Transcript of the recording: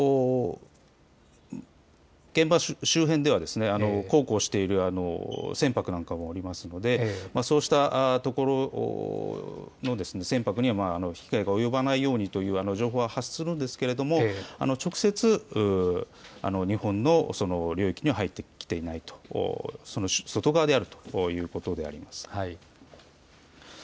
現場周辺では航行している船舶なんかもありますのでそうしたところの船舶に危険が及ばないようにという情報は発するんですが直接、日本の領域には入ってきていないその外側であるということであります。